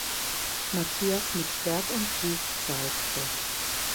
Matthias mit Schwert und Buch zeigte.